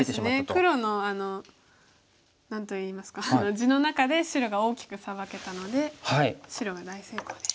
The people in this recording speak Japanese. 黒の何と言いますか地の中で白が大きくサバけたので白が大成功です。